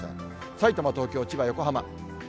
さいたま、東京、千葉、横浜。